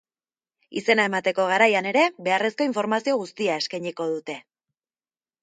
Izena emateko garaian ere, beharrezko informazio guztia eskainiko dute.